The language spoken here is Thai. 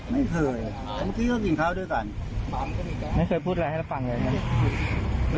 ไม่เคยเมื่อกี้ก็กินข้าวด้วยกันไม่เคยพูดอะไรให้รับฟังเลยนะ